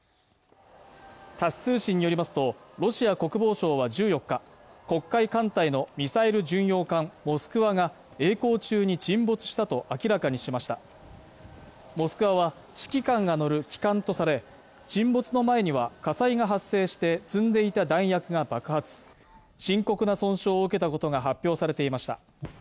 タス通信によりますとロシア国防省は１４日黒海艦隊のミサイル巡洋艦「モスクワ」が曳航中に沈没したと明らかにしましたモスクワは指揮官が乗る旗艦とされ沈没の前には火災が発生して積んでいた弾薬が爆発深刻な損傷を受けたことが発表されていました